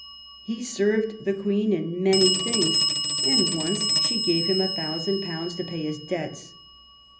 He served the Queen in many things, and once she gave him a thousand pounds to pay his debts.